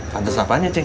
pantes apaan ya ceng